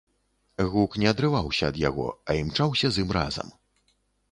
Гук не адрываўся ад яго, а імчаўся з ім разам.